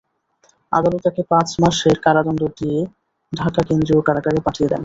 আদালত তাঁকে পাঁচ মাসের কারাদণ্ড দিয়ে ঢাকা কেন্দ্রীয় কারাগারে পাঠিয়ে দেন।